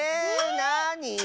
なに？